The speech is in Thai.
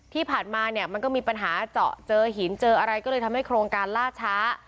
ที่ผ่านมาเนี่ยมันก็มีปัญหาเจาะเจอหินเจออะไรก็เลยทำให้โครงการล่าช้า